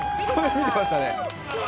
見てましたね。